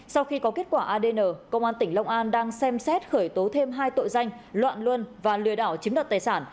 sau khi có kết quả adn công an tỉnh long an đang xem xét khởi tố thêm hai tội danh loạn luân và lừa đảo chiếm đoạt tài sản